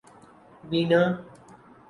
بینا